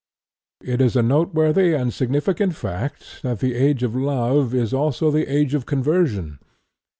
It is a noteworthy and significant fact that the age of love is also the age of conversion.